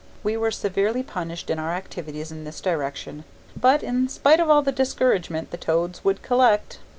We were severely punished for our activities in this direction, but in spite of all discouragement the toads would collect.